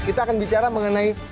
kita akan bicara mengenai